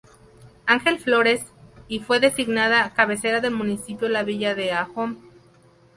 Ángel Flores, y fue designada cabecera del municipio La Villa de Ahome.